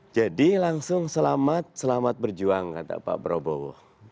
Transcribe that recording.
jadi langsung selamat selamat berjuang kata pak prabowo